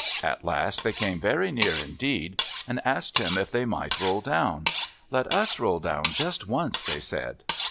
At last they came very near indeed and asked him if they might roll down. "Let us roll down just once," they said.